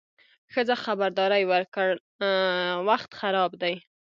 ښځه خبرداری ورکړ: وخت خراب دی.